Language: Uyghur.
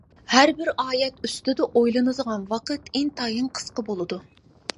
ھەر بىر ئايەت ئۈستىدە ئويلىنىدىغان ۋاقىت ئىنتايىن قىسقا بولىدۇ.